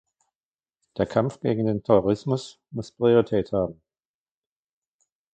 Der Kampf gegen den Terrorismus muss Priorität haben.